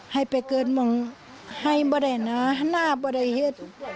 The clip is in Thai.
ให้ไปเกิดมองให้บ่อยนะฮนะบ่อยเฮียด